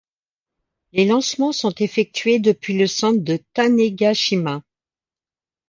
Les lancements sont effectués depuis le centre de Tanegashima.